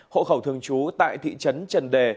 hộ khẩu thường chú tại thị trấn trần đề